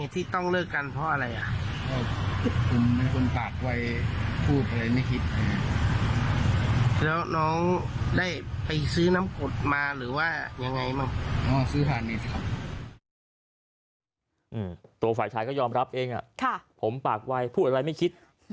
ตัวฝ่ายชายก็ยอมรับเองผมปากวัยพูดอะไรไม่คิด